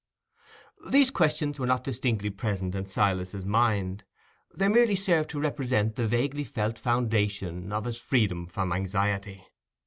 These questions were not distinctly present in Silas's mind; they merely serve to represent the vaguely felt foundation of his freedom from anxiety.